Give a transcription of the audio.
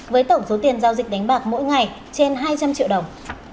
với tổng số tiền giao dịch đánh bạc mỗi ngày trên hai trăm linh triệu đồng